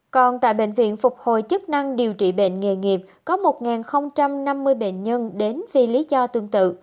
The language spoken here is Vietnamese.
còn tại bệnh viện phục hồi chức năng điều trị bệnh nghề nghiệp có một năm mươi bệnh nhân đến vì lý do tương tự